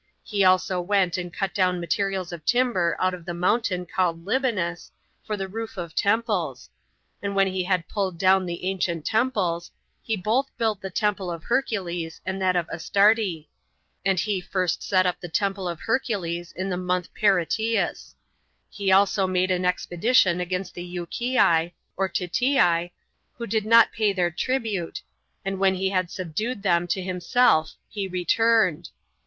He also went and cut down materials of timber out of the mountain called Libanus, for the roof of temples; and when he had pulled down the ancient temples, he both built the temple of Hercules and that of Astarte; and he first set up the temple of Hercules in the month Peritius; he also made an expedition against the Euchii, or Titii, who did not pay their tribute, and when he had subdued them to himself he returned.